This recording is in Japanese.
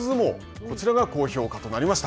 こちらが高評価となりました。